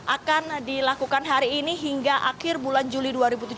akan dilakukan hari ini hingga akhir bulan juli dua ribu tujuh belas